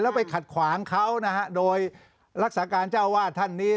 แล้วไปขัดขวางเขานะฮะโดยรักษาการเจ้าวาดท่านนี้